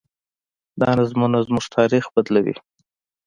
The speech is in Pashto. دا نظمونه زموږ تاریخ بدلوي.